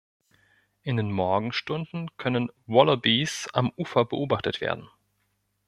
In den Morgenstunden können Wallabys am Ufer beobachtet werden.